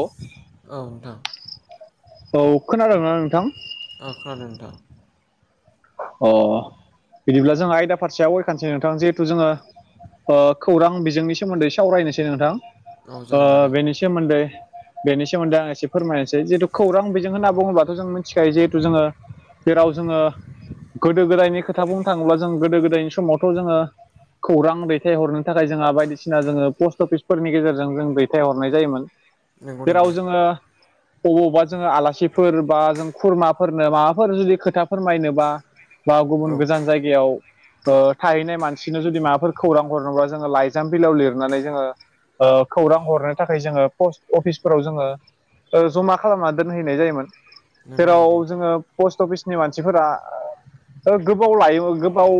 औ, औ नोंथां औ खोनादोंना नोंथां? अ खानादों नोंथां। अ बिदिब्ला जों आयदा फारसेयाव आवगायखानसै नोंथां जिहेथु जोङो ओ खौरां बिजोंनि सोमोन्दै सावरायनोसै नोंथां। औ ओ जागोन नोंथां बेनि सोमोन्दै बेनि सोमोन्दै आं एसे फोरमायनोसै। जिहेथु खौरां बिजों होनना बुङोबाथ' जों मिन थिखायो जिहेथु जोङो, जेराव जोङो गोदो गोदायनि खोथा बुंनो थाङोब्ला जों गोदो गोदायनि समावथ' जोङो खौरां दैथायहरनो थाखाय जोंहा बायदिसिना जोङो पस्ट अफिसफोरनि गेजेरजों जों दैथायहरनाय जायोमोन। नंगौ जेराव नंगौ जोङो अबावबा जोङो आलासिफोर बा जों खुरमाफोरनो माबाफोर जुदि खोथा फोरमायनो बा बा औ गुबुन गोजान जायगायाव ओ थाहैनाय मानसिनो जुदि माबाफोर खौरां हरनोब्ला जोङो लाइजाम बिलाइयाव लिरनानै जोङो ओ खौरां हरनो थाखाय जोङो पस्ट अफिसफोराव जोङो ओ जमा खालामनानै दोनहैनाय जायोमोन नंगौ जेराव नंगौ जोङो पस्ट अफिसनि मानसिफोरा औ। ओ गोबाव लायोमोन गोबाव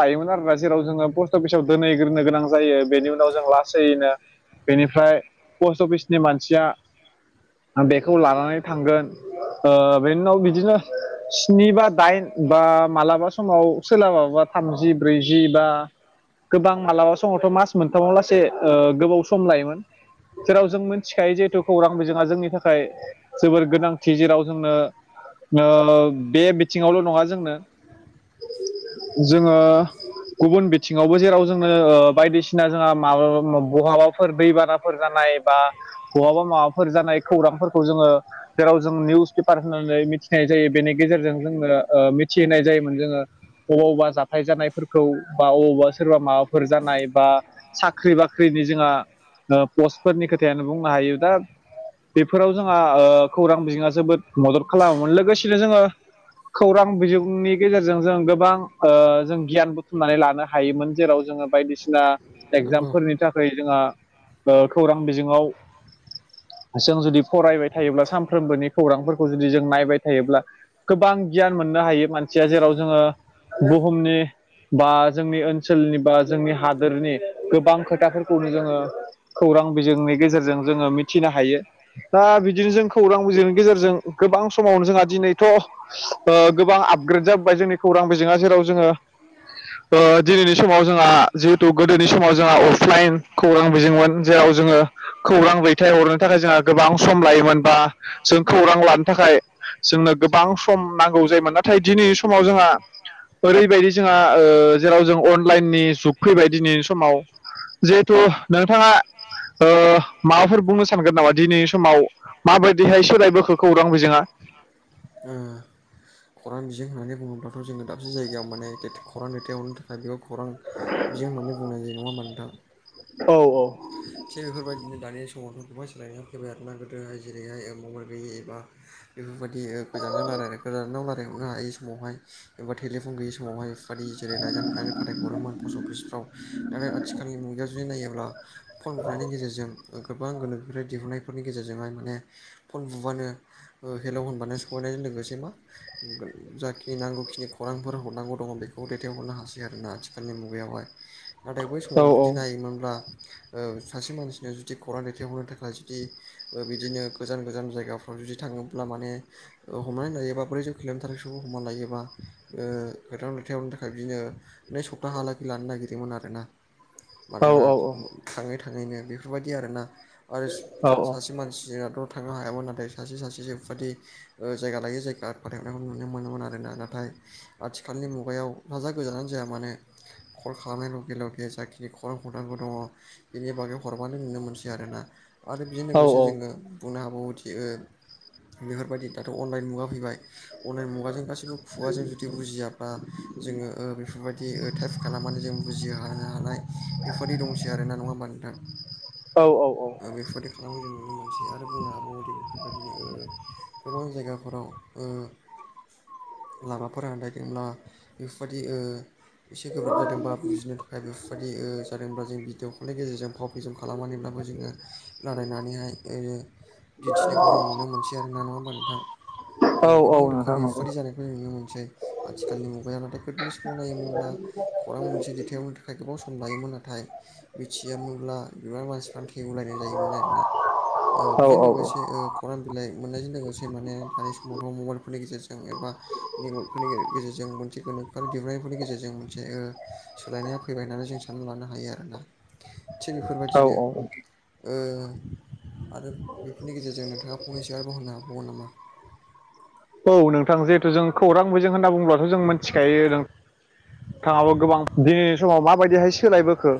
लायोमोन आरोना जेराव जोङो पस्ट अफिसाव दोनहैग्रोनो गोनां जायो बेनि उ नाव जों लासैयैनो बेनिफ्राय पस्ट अफिसनि मानसिया बेखौ लानानै थांगोन ओ बेनि उनाव बिदिनो स्नि बा दाइन बा मालाबा समाव सोलाबाबा थामजि ब्रैजि बा गोबां मालाबा समावथ' मास मोनथामाव लासे ओ गोबाव सम लायोमोन। जेराव जों मोनथिखायो जिहेथु खौरां बिजोङा जोंनि थाखाय जोबोर गोनांथि जेराव जोंनो ओ बे सिङावल' नङा जोंनो जोङो गुबुन बिथिङावबो जेराव जोंनो ओ बायदिसिना जोंहा माबा बहाबाफोर दै बाना फोर जानाय बा बहाबा माबाफोर जानाय खौरांफोरखौ जोङो जेराव जों निउस पेपार होननानै मिथिनाय जायो बेनि गेजेरजों जोंनो ओ मिथिहोनाय जायोमोन जोङो अबावबा जाथाय जानायफोरखौ बा अबावबा सोरबा माबाफोर जानाय बा साख्रि बाख्रिनि जोंहा पस्टफोरनि खोथायानो बुंनो हायो दा बेफोराव जोंहा खौरां बिजोङा जोबोद मदद खालामोमोन लोगोसेनो जोङो खौरां बिजोंनि गेजेरजों जों गोबां जों गियान बुथुमनानै लानो हायोमोन जेराव जोङो बायदिसिना नंगौ एगजामफोरनि थाखाय जोंहा खौरां बिजोङाव जों जुदि फरायबाय थायोब्ला सानफ्रोमबोनि खौरांफोरखौ जुदि जों नायबाय थायोब्ला गोबां गियान मोननो हायो मानसिया जेराव जोङो बुहुमनि बा जोंनि ओनसोलनि बा जोंनि हादोरनि गोबां खोथाफोरखौनो जोङो खौरां बिजोंनि गेजेरजों जोङो मिथिनो हायो। दा बिदिनो जों खौरां बिजोंनि गेजेरजों गोबां समावनो जोंहा दिनै थ' ओ गोबां आपग्रेड जाबोबाय जोंनि खौरां बिजोङा जेराव जोङो दिनैनि समाव जोंहा जिहेथु गोदोनि समाव जोंहा अफलाइन खौरां बिजोंमोन जेराव जोङो खौरां दैथाय हरनो थाखाय जोंहा गोबां सम लायोमोन बा जों खौरां लानो थाखाय जोंनो गोबां सम नांगौ जायोमोन नाथाय दिनै समाव जोंहा ओरैबायदि जोंहा जेराव जों अनलाइननि जुग फैबाय दिनैनि समाव जिहेथु नोंथाङा माबाफोर बुंनो सानगोन नामा दिनैनि समाव माबायदिहाय सोलायबोखो खौरां बिजोङा ओ खौरां बिजों होन्नानै बुङोब्ला' जोङो दाबसे जायगायाव माने खौरां दैथायावनो फ्राय बेखौ खौरां बिजों होननानै बुंनाय जायो नङा होमबा नोंथां? औ औ थिग बेफोरबायदिनो दानि समावफोरखौहाय सोलायनाय फैबाय आरोना गोदोहाय जेरैहाय मबाइल गैयि एबा बेफोरबायदि गोजानजों रायलाय गोजानाव रायलायहरनो हायि समावहाय एबा टेलिफन गैयै समावहाय बादि जेरै लाइजाम लिरनानै फाथायहरोमोन पस्ट अफिसफ्राव नाथाय आथिखालनि मुगायाव जुदि नायोब्ला फन हरनायनि गेजेरजों गोबां गोनोनिफ्राय दिहुननायफोरनि गेजेरजोंहाय माने फन बुबानो हेलौ होनब्लानो सहैनायजों लोगोसे मा जाखिनि नांगौखिनि खौरांफोर हरनांगौ दङ बेखौ दैथायहरनो हासै आरोना आथिखालनि मुगायावहाय नाथाय बै औ समाव जुदि नायोमोनब्ला सासे मानसिनो जुदि खौरां दैथायहरनो थाखाय जुदि बिदिनो गोजान गोजान जायगाफ्राव जुदि थाङोब्ला माने हमनानै लायोबा बोरै जौ खेलनो थाखायबो हमनानै लायोबा ओ गोथां रथाय हरनो थाखाय बिदिनो नै सप्ताहालागै लानो नागिरदोंमोन आरो ना मानोना औ थाङै थाङैनो बेफोरबायदि आरोना। आरो औ औ सासे मानसि जोंनाथ' थांनो हायामोन नाथाय सासे सासे जेबायदि जायगा लायै जायगा फाथायहरनायखौ नुनो मोनोमोन आरोना नाथाय आथिखालनि मुगायाव हाजार गोजानानो जाया मानोे कल खालामनाय लगे लगे जाखिनि खल हरनांगौ दङ बेनि बागै हरबानो नुनो मोनसै आरोना आरो बेजों औ लोगोसे जोङो बुंनो हाबावोदि ओ बेफोरबायदि दाथ' अनलाइन मुगा फैबाय अनलाइन मुगाजों गाैबो खुगाजों जुदि बुजियाब्ला जोङो बेफोरबायदि टाइप खालामनानै जों बुजि हानो हानाय बेफोरबायदि दंस आरोना नङा होमबा नोंथां। औ औ बेफोरबादि खालामो जों नुनो मोनसै आरो बुंनो हाबावोदि बेफोरबायदिनो गोबां जायगाफोराव लामाफोरा आन्दायदोंब्ला बेफोरबायदि ओ एसे गोब्राब जादोंबा बुजिनो थाखाय बेफोरबायदि जादोंब्ला जों भिडिअ खलनि गेजेरजों फाव फेसम खालामनानैब्लाबो जोङो रालायनानैहाय दिन्थिनायखौ जों नुनो मोनसै आरो ना नङा होमबा नोंथां? औ औ गोबां नोंथां रोखोमनि नंगौ बेफोरदि जानाय नुनो मोनसै आथिखालनि मुगाया नाथाय गोदोनि समाव नायोमोनब्ला खौरां मोनसे दैेथायहरनो था गोबाव सम लायोमोन नाथाय बिथियोनब्ला बिबार मानसिफ्रा थेवलायनाय मोन आरोना औ बेजों औ लोगोसे ओ खौरां बिलाइ मोननायजों लोगोसे माने दानि समावथ' मबाइलफोरनि गेजेरजों एबा नेकफोरनि गेजेरजों मोनसे गोनोखोआर दिहुननायफोरनि गेजेरजों मोनसे ओ सोलायनाया फैबाय होननानै जों सानना लानो हायो आरोना। थिग औ बेफोरबायदिनो आरो बेफोरनि गेजेरजों नोंथाङा फंनैसोयब होनो हाबावगोन नामा? औ नोंथां जिहेथु जों खौरां बिजों होनना बुंलाथ' जों मिथिखायो नों थाङाबो गोबां दिनैनि समाव माबायदिहाय सोलायबो खो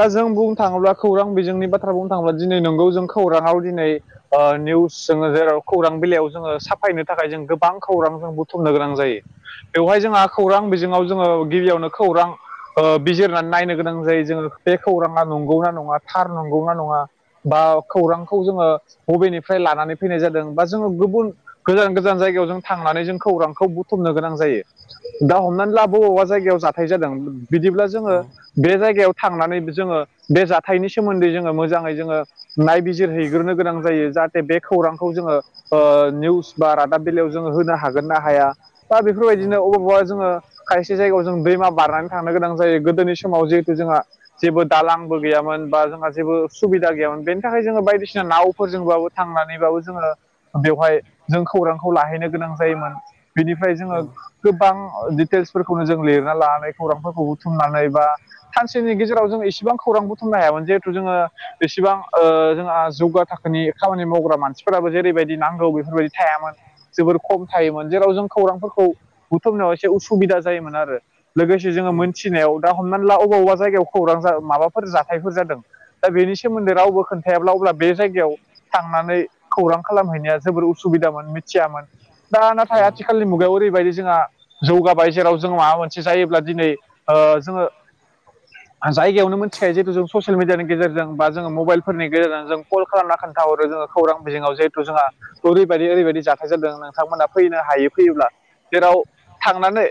दा जों बुंनो थाङोब्ला खौरां बिजोंनि बाथ्रा बुंनो थाङोब्ला दिनै नंगौ जों खौराङाव दिनै ओ निउस जोङो जेराव खौरां बिलाइ जोङो साायनो नि थाखाय जों गोबां खौरां जों बुथुमनो गोनां जायो। बेवहाय जोंहा खौरां बिजोङाव जोङो गिबियावनो खौरां ओ बिजिरनानै नायनो गोनां जायो जोङो बे खौराङा नंगौनाा नङा थार नंगौना नङा। बा खौरांखौ जोङो बबेनिफ्राय लानानै फैनाय जादों बा जोङो गुबुन गोजान गोजान जायगायाव जों थांनानै जों खौरांखौ बुथुमनो गोनां जायो। दा हमनानै लाबबावा जायगायाव जाथाय जादों बिदिब्ला जोङो औ बे जायगायाव थांनानै जोङो बे जाथायनि सोमोन्दै जोङो मोजाङै जोङो नायबिजिरहैग्रोनो गोनां जायो जाहाथे बे खौरांखौ जोङो ओ निउस बा रादाब बेलइायाव जोङो होनो हागोन ना हाया दा औ बेफोरबायदिनो बबबा जोङो खायसे जायगायाव जों दैमा बारनानै थांनो गोनां जायो गोदोनि समाव जिहेथु जोंहा जेबो दालांबो गैयामोन बा जोंहा जेबो सुबिदा गैयामोन बेनि थाखाय जोङो बायदिसिना नावफोरजोंबाबो थांनानैबाबो जोङो बेवहाय जों खौरांखौ लाहैनो गोनां जायोमोन। बिनिफ्राय जोङो औ गोबां दिटेल्सफोरखौनो जों लिरना लानानै खौरांफोरखौ बुथुमनानै बा सानसेनि गेजेराव जोंङ एसेबां खौरां बुथुमनो हायामोन जिहेथु जोङो एसेबां जोंहा जौगा थाखो नि खामानि मावग्रा मानसिफोराबो जेरैबायदि नांगौ बेफोरबायदि थायामोन जोबोर खम थायोमोन जेराव जों खौरांफोरखौ बुथुमनायाव एसे उसुबिदा जायोमोन आरो। लोगोसे जोङो उम मोनथिनायाव दा हमनानै ला अबा अबा जगायाव खौरां माबाफोर जाथायफोर जादों, दा बेनि सोमोन्दै रावबो खोन्थायाब्ला अब्ला बे जायगायाव थांनानै खौरां खालामहैनाया जोबोर सुबिदामोन मिथियामोन दा औ नाथाय आथिखालनि मुगायाव ओरैबायदि जोंहा जौगाबाय जेराव जों माबा मोनसे जायोब्ला दिनै जोङो जायगायावनो मिथिखायो जिहथु जों ससियेल मिडियानि गेजेरजों बा जोङो मबाइलफोरनि गेजेरजों जों कल खालामना खोनथाहरो जोङो खौरां बिजोङाव जिहेथु जोंहा ओरैबायदि ओरैबायदि जाथाय जादों नोंथांमोना फैनो हायो फैयोब्ला जेराव थांनानै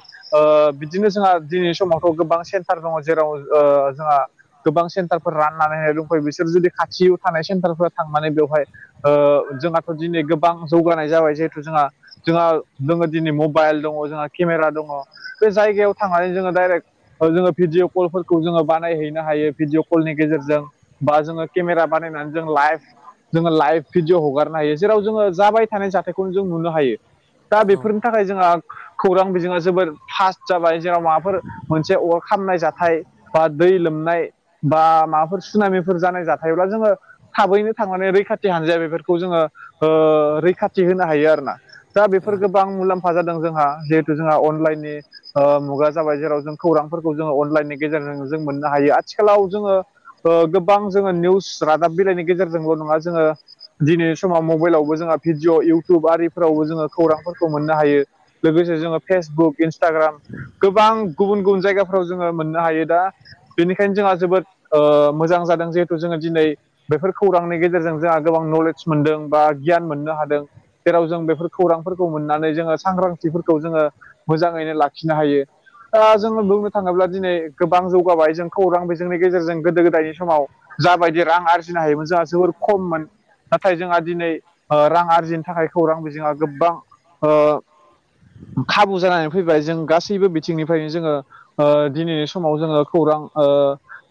बिदिनो जोंहा दिनैनि समावथ' गोबां सेन्टार दङ जेराव जोंहा गोबां सेन्टारफोर राननानैहाय दंफै बिसोर जुदि खाथियाव थानाय सेन्टारफोरा थांनानै बेवहाय जोंहाथ' दिनै गोबां जौगानाय जाबाय जिहेथु जोंहा जोंहा जोङो दिनै मबाइल दङ जोंहा केमेरा दङ बे जायगायाव थांनानै जोङो डाइरेक्ट जोङो भिडिय' कलफोरखौ जोङो बानायहैनो हायो भिडिय' कलनि गेजेरजों बा जोङो केमेरा बानायनानै जों लाइभ जोङो लाइभ भिडिय' हगारनो हायो जेराव जोङो जाबाय थानाय जाथायखौनो जों नुनो हायो। दा औ बेफोरनि थाखाय जोंहा खौरां बिजोङा जोबोद फास्ट जाबाय जेराव माबाफोर मोनसे अर खामनाय जाथाय बा दै लोमनाय बा माबाफोर सनामिफोर जानाय जाथायब्ला जोङो थाबैनो थांनानै रैखाथि हजाया बेफोरखौ जोङो रैखाथि होनो हायो आरो ना। दा बेफोर औ गोबां मुलाम्फा जादों जोंहा जिहेथु जोंहा अनलाइननि ओ मुगा जाबाय जेराव जों खौरांफोरखौ जोङो अनलाइननि गेजेरजों जों मोननो हायो आथिखालाव जोङो ओ गोबां जोङो निउस रादाब बिलाइनि गेजेरजोंल' नङा जोङो दिनै समाव मबाइलावबो जोंहा भिडिय' इउटुब आरिफोरावबो जोङो खौरांफोरखौ मोननो हायो। लोगोसे जोङो फेसबुक इन्सटाग्राम गोबां गुबुन -गुबुन जायगाफ्राव जोङो मोननो हायो दा बेनिखायनो जोंहा जोबोद मोजां जादों। जिहेथु जोङो दिनै बेफोर खौरांनि गेजेरजों जोंहा गोबां नलेज मोनदों बा गियान मोननो ह दों जेराव जों बेफोर खौरांफोरखौ मोननानै जोङो सांग्रांथिफोरखौ जोङो मोजाङैनो लाखिनो हायो। जोङो बुंनो थाङोब्ला दिनै गोबां जौगाबाय जों खौरां बिजोंनि गेजेरजों गोदो गोदायनि समाव जाबायदि रां आरजिनो हायोमोन जोंहा जोबोर खममोन नाथाय जोंहा दिनै रां आरजिनो थाखाय खौरां बिजोङा गोबां खाबु जानानै फैबाय जों गासैबो बिथिंनिफ्रायनो जोङो दिनैनि समाव जोङो खौरां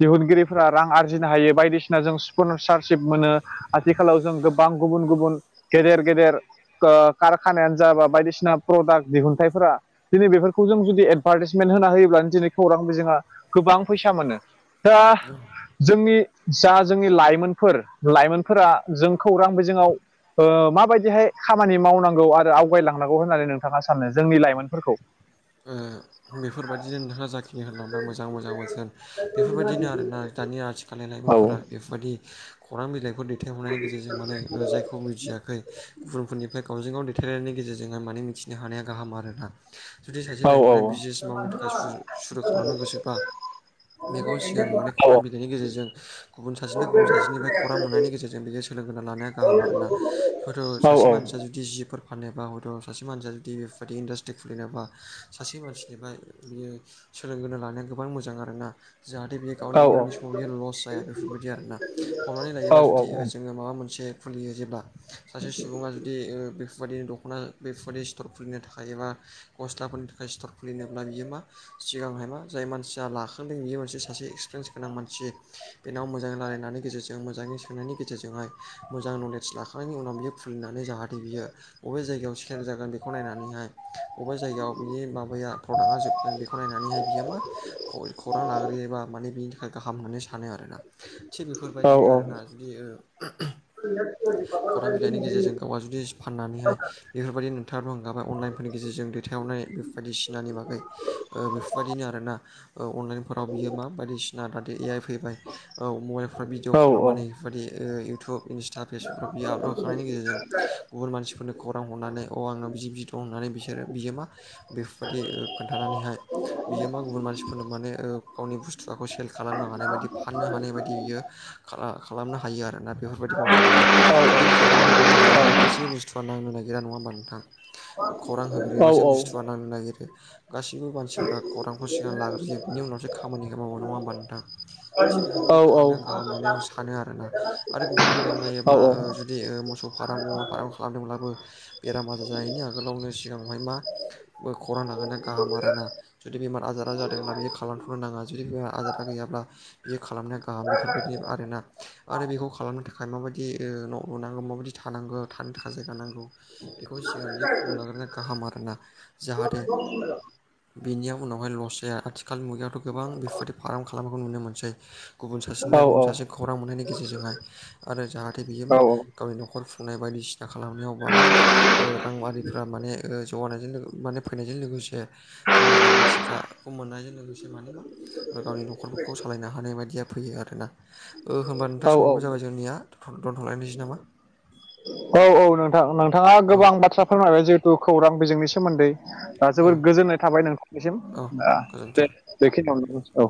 दिहुनगिरिफोरा रां आरजिनो हायो बायदिसिना जों स्पनसारशिप मोनो आथिखालाव जों गोबां गुबुन- गुबुन गेदेर-गेदेर कारखानायानो जाबा बायदिसिना प्रडाक्ट दिहुनथाइफोरा दिनै बेफोरखौ जों जुदि एडभार्टाइसमेन्ट होना होयोब्लानो दिनै खौरां बिजोङा गोबां फैसा मोनो। जोंहा जोंनि जा जोंनि लाइमोनफोर लाइमोनफोरा जों खौरां बिजोङाव माबायदिहाय खामानि मावनांगौ आरो आवगायलांनांगौ होननानै नोंथाङा सानो? जोंनि लाइमोनफोरखौ [inaudible] ओ बेफोरबायदिनो नोंथाङा जाखिनि होलांबाय मोजां मोजां बोथोन बेफोरबायदिनो आरोना दानि आथिखालनि औ लाइमोनफोरा बेबायाददि खौरां बिलाइफोर दैथायहरनायनि गेजेरजों माने जायखौ बुजियाखै गुबुनफोरनिफ्राय गावजों गाव टनि गेजेरजोंहाय माने मिथिनो हानाया गाहाम आरोना। जुदि सासे औ लाइमोना बिजनेस मावनो थाखाय सुरु खालामनो गोसोबा बेखौ सिगां माने औ खौरां बिलाइनि गेजेरजों गुबुन सासेनो गुबुन सासेनिफ्राय खौरां मोननायनि गेजेरजों बे सोलोंगोना लानाया गाहाम आरोना हयथ' औ सासे मानसिया जुदि जदि जिफोर फाननोबा हदाव सासे मानसिया जु बेफोरबायदि इन्डासट्रि खुलिनोबा सासे मानसिनिफ्राय बियो सोलोंगोनो लानाया गोबां मोजां आरोना। जाहाथे बे औ एकाउन्टनि इउनिट समाव बियो लस जाया बेफोरबायदि आरोना हमनानै औ लायोबा जुदि औ ज जोङो माबा मोनसे खुलियो जेब्ला सासे सुबुङा जुदि बेफोरबायदि दख'ना बेफोरबायदि स्थर खुलिनो थाखाय एबा गस्लाफोरनि थाखाय सि्थर खुलिनोब्ला बियो मा सिगांहाय मा जाय मानसिया लाखांदों बेयो मोनसे सासे एक्सपिरियेन्स गोनां मानसि बेनाव मोजाङै रायलायनानै गेजेरजों मोजाङै सोंनायनि गेजेरजोंहाय मोजां नलेज लाखायो थांनायनि उनाव बियो खुलिनानै जाहाथे बियो बबे जायगायाव सकेल जागोन बेखौ नायनानैहाय बबेबा जायगायाव बि माबाया प्रडाक्टा जोबगोन बेखौ नायनानैहाय बियो मा खौरां लाग्रोयोबा माने बिनि थाखाय गाहाम होननो सानो आरोना। थिग बेफोरबायदिनो आरोना जुदि खौरां बिलाइनि गेजेरजों गावआ जुदि फाननानैहाय बेफोरबायदि नोंथाङाबबो हांगाबाय अनलाइननि [unintelligible] गेजेरजों दैथायहरनाय बेफोर बदिसिनानि बागै बेफोरबायदिनो आरोना अनलाइन फोराव बियो मा बायदिसिना बादि ए आइ फैबाय औ मबाइलफ्राव भिडिअ खालामनानै बेफोरबायदि टुब इन्स्टा फेसबुकफ्राव बियो आपल'ड खालामनायनि गेजेरजों गुबुन मानसिफोरनो खौरां हरनानै अ आंनाव बिदि बिदि होननानै बिसोरो बियोमा बेफोरबायदि खोन्थानानैहाय बियो मा गुबुन मानसिफोरनो माने गावनि बुस्थुखौ सेल खालामनो हानाय बायदि फाननो हानाय बायदि बियो खालामनो हायो आरोना बेफोरबायदि मावनानैहाय जुदि खौरां होगोनो हायाब्ला गासैबो बुस्थुआ नांनो नागिरा नङा होमबा नोंथां खौरां होग्रोयो औ गासिबो बुथुआ लांनो नागिरो गासैबो मानसिफोरा खौरांखौ सिगां लाग्रोजो बिनि उनावसो खामानिखौ मावो नङा होमबा नोंथां। थिग बेफोरबायदि खालामनाया गाहाम होननानै आं सानो आरोना। आरो गुबुन बेलायाव नायोब्ला जुदि मोसौ फार्म मुवा फार्म खालामदोंब्लाबो बेराम आजार जानायनि आगोलावनो सिगाङावहाय माो खौरां लागोना गाहाम आरो ना। जुदि बेमार आजारा जादोंब्ला बियो खालामथ'नो नाङा जुदि बेमार आजारा गैयाब्ला बियो खालामनाया गाहाम बेफोरबायदि आरोना आरो बेखौ खालामनो थाखाय माबायदि न' लुनांगौ माबायदि थानांगोन थानो थाखाय जायगा नांगौ बेखौ सिगां बियो खबर लाग्रोनानै गाहाम आरोना जाहाथे बिनिया उनावहाय लस जाया आथि खालनि मुगायावथ' गोबां बेफोरबायदि फार्म खालामनायखौ नुनो मोनसै। गुबुन सासेनिफ्राय गुबुन सासे खौरां मोननायनि गेजेरजोंहाय आरो जाहाथे बियो मा गावनि न'खर खुंनाय बायदिसिना खालामनायाव माने मा राङारिफोरा माने जौगानायजों माने फैनायजों लोगोसे नांगौथिफ्राखौ मोननायजों लोगोसे माने मा आरो गावनि न'खरफोरखौ सालायनो हानाय बायदिया फैयो आरोना। ओ होनोमबा औ नोंथां औ समाबबो जाबाय जोंनिया दोनथ'लायनोसै नामा? औ औ नोंथां नोंथाङा औ गोबां बाथ्रा फोरमायबाय जिहे थु खौरां बिजोंनि सोमोन्दै दा औ जोबोर गोजोननाय थाबाय नोंथांनिसिम औ गोजोन्थों दे। बेखिनियाव औ